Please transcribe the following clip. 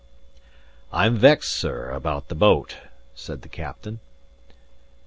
"I'm vexed, sir, about the boat," says the captain.